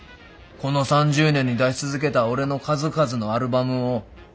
この３０年に出し続けた俺の数々のアルバムを。